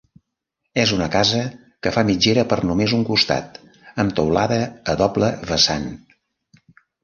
És una casa que fa mitgera per només un costat amb teulada a doble vessant.